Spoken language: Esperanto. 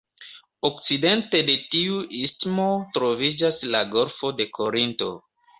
Okcidente de tiu istmo troviĝas la Golfo de Korinto.